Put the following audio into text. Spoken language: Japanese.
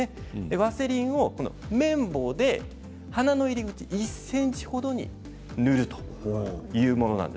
ワセリンを綿棒で鼻の入り口１ｃｍ程に塗るというものなんです。